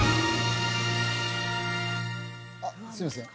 あっすいません